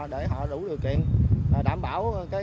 để họ đủ điều kiện đảm bảo